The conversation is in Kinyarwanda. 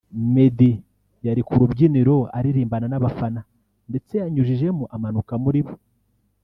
Meddy yari ku rubyiniro aririmbana n’abafana ndetse yanyujijemo amanuka muri bo